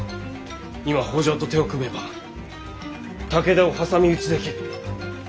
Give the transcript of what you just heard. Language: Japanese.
今北条と手を組めば武田を挟み撃ちできる。